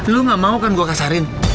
lo gak mau kan gue kasarin